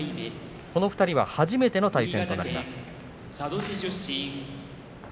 この２人は初めての対戦となります。